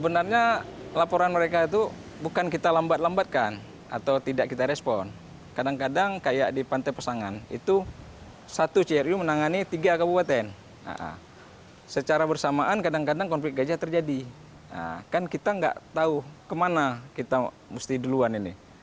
nah kan kita nggak tahu kemana kita mesti duluan ini